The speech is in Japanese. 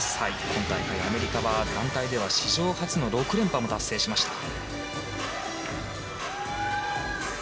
今大会、アメリカは団体では史上初の６連覇も達成しました。